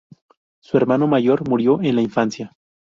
Su hermano mayor murió en en la infancia.